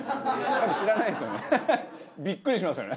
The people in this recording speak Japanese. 多分知らないですよね。